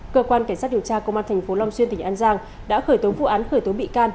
cơ quan cảnh sát điều tra công an tp long xuyên tỉnh an giang đã khởi tố vụ án khởi tố bị can